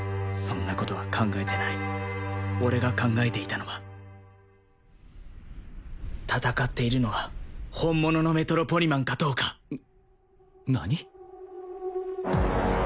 そんなことは考えてない俺が考えていたのは戦っているのは本物のメトロポリマンかどうか何？